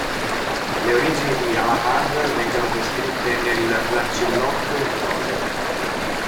Le origini di Galahad vengono descritte nel "Lancillotto in prosa.